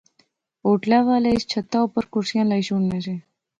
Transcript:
ہوٹلے والے اس چھتے اوپر کرسیاں لائی شوڑنے سے